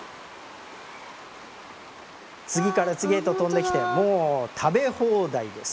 次から次へと跳んできてもう食べ放題です。